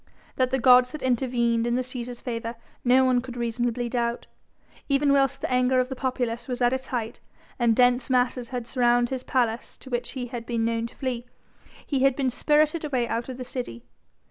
That the gods had intervened in the Cæsar's favour no one could reasonably doubt. Even whilst the anger of the populace was at its height and dense masses had surrounded his palace to which he had been known to flee, he had been spirited away out of the city.